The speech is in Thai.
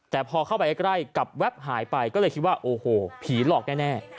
แต่พอเข้าไปใกล้กับแป๊บหายไปก็เลยคิดว่าโอ้โหผีหลอกแน่